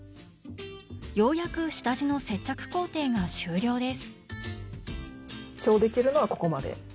ようやく下地の接着工程が終了です。